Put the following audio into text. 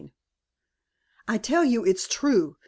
XXXI "I tell you it's true.